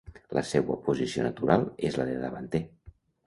La seua posició natural és la de davanter.